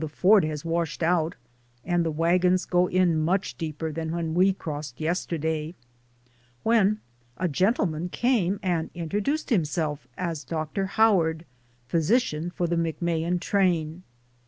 ford has washed out and the wagons go in much deeper than when we crossed yester day — when a gentleman came and introduced himself as Dr. Howard, physician for the McMahan train.